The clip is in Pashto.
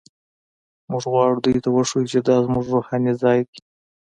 موږ غواړو دوی ته وښیو چې دا زموږ روحاني ځای دی.